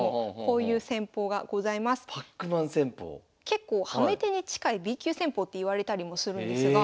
結構ハメ手に近いＢ級戦法っていわれたりもするんですが。